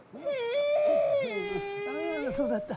あそうだった。